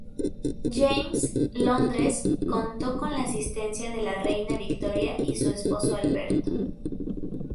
James, Londres, contó con la asistencia de la Reina Victoria y su esposo Alberto.